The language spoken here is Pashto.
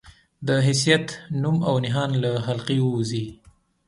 د حيثيت، نوم او نښان له حلقې ووځي